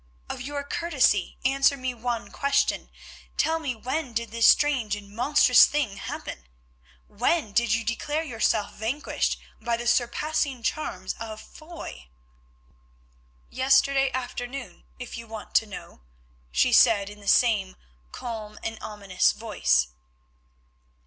Of your courtesy answer me one question. Tell me when did this strange and monstrous thing happen? When did you declare yourself vanquished by the surpassing charms of Foy?" "Yesterday afternoon, if you want to know," she said in the same calm and ominous voice.